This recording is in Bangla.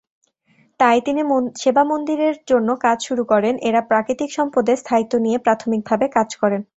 তাই, তিনি সেবা মন্দিরের জন্য কাজ শুরু করেন, এঁরা প্রাকৃতিক সম্পদের স্থায়িত্ব নিয়ে প্রাথমিকভাবে কাজ করেন।